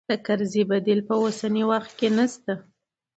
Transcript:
د کرزي بديل په اوسني وخت کې نه شته.